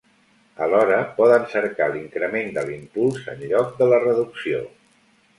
Alhora, poden cercar l'increment de l'impuls, en lloc de la reducció.